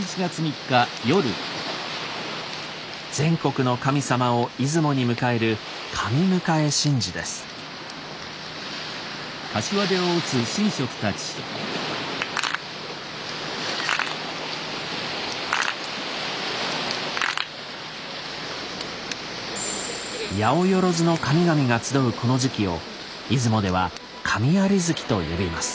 全国の神様を出雲に迎える八百万の神々が集うこの時期を出雲では「神在月」と呼びます。